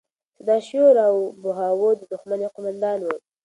سداشیو راو بهاو د دښمن یو قوماندان و.